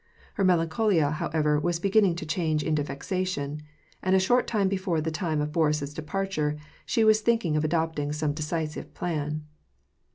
Her melancholia, however, was beginning to change into vexation ; and a short time before the time of Boris's departure, she was thinking of adopting some decisive plan.